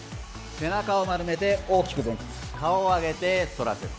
背中を丸めて大きく前屈顔を上げて反らせる。